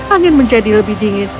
angin menjadi lebih dingin